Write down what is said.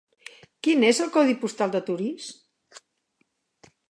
Quin és el codi postal de Torís?